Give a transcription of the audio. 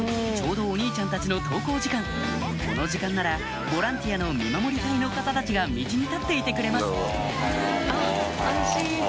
ちょうどお兄ちゃんたちの登校時間この時間ならボランティアの見守り隊の方たちが道に立っていてくれます